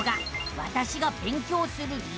「わたしが勉強する理由」。